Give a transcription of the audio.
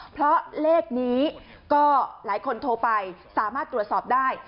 เพราะเลขนี้ก็หลายคนโทรไปสามารถตรวจสอบได้